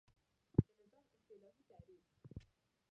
د نظام اصطلاحی تعریف